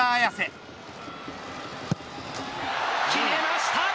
決めました。